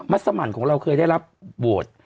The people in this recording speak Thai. มัสสมันต์ของเราเคยได้รับบวท